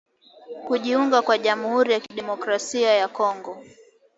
kujiunga kwa jamhuri ya kidemokrasia ya Kongo